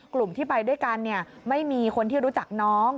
กลุ่มที่ไปด้วยกันไม่มีคนที่รู้จักน้อง